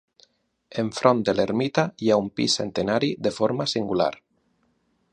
Enfront de l'ermita hi ha un pi centenari de forma singular.